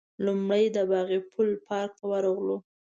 لومړی د باغ پل پارک ته ورغلو.